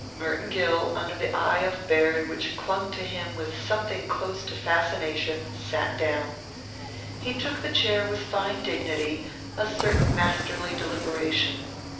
Merton Gill, under the eye of Baird which clung to him with something close to fascination, sat down. He took the chair with fine dignity, a certain masterly deliberation.